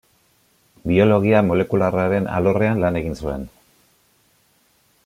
Biologia molekularraren alorrean lan egin zuen.